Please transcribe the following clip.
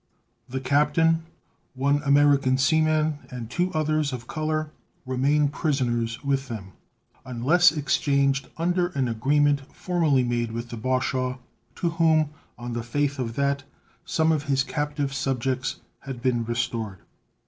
The captain, one American sea man, and two others of color remain prisoners with them unless exchanged under an agreement formerly made with the Bashaw, to whom, on the faith of that, some of his captive subjects had been restored.